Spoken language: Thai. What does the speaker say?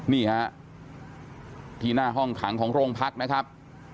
นี่ฮะที่หน้าห้องขังของโรงพักนะครับ